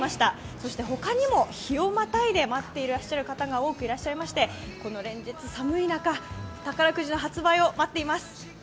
そして、他にも日をまたいで待っている方がいらっしゃいまして、連日、寒い中、宝くじの発売を待っています。